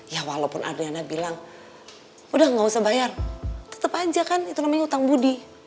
ya walaupun adriana bilang udah gak usah bayar tetap aja kan itu namanya utang budi